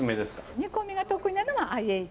煮込みが得意なのはＩＨ。